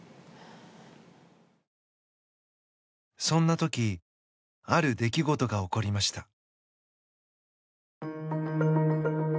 そんな時ある出来事が起こりました。